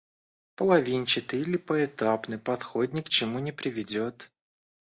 Половинчатый или поэтапный подход ни к чему не приведет.